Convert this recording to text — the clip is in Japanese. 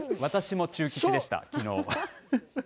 私も中吉でした、きのう。